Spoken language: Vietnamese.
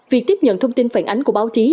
việc tiếp nhận thông tin phản ánh của báo chí